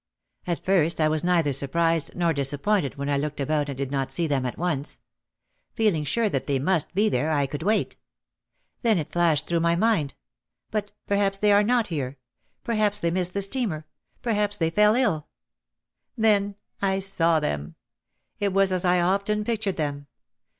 At first I was neither surprised nor disappointed when I looked about and did not see them at once. Feeling sure that they must be there, I could wait. Then it flashed through my mind, "But perhaps they are not here ! Perhaps they missed the steamer, perhaps they fell ill i Then I saw them. It was as I often pictured them.